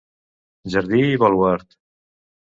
Jardí i baluard.